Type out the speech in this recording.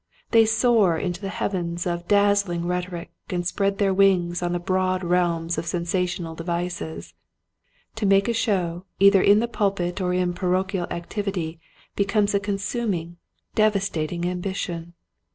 They soar into the heavens of dazzling rhetoric, and spread their wings in the broad realms of sensational devices. To make a show either in the pulpit or in parochial activity becomes a consuming, devastating ambition.